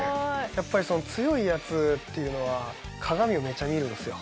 やっぱり強いヤツっていうのは鏡をめっちゃ見るんですよ。